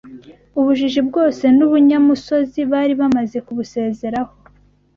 Ubujiji bwose n’ubunyamusozi bari bamaze kubusezeraho